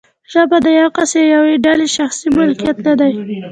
ژبه د یو کس یا یوې ډلې شخصي ملکیت نه دی.